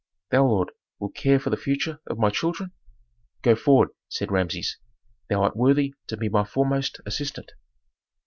Thou, lord, wilt care for the future of my children?" "Go forward," said Rameses. "Thou art worthy to be my foremost assistant."